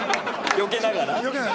よけながら。